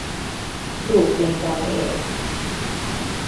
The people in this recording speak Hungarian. Brooklynban él.